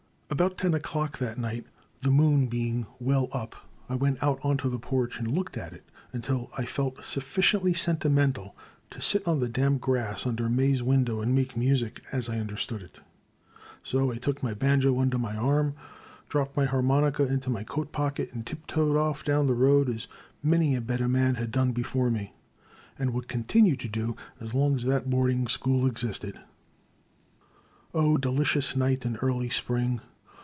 About ten o'clock that night, the moon being well up, I went out onto the porch and looked at it until I felt sufficiently sentimental to sit on the damp grass under May's window and make music as I understood it. So I took my banjo under my arm, dropped my harmonica into my coat pocket, and tip toed ofif down the road as many a better man had done before me, and would continue to do as long as that boarding school existed. O delicious night in early Spring